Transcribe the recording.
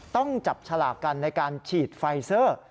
ต้องจับฉลากกันในการฉีดไฟเซอร์